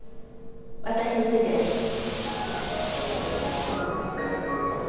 私についてらっしゃい。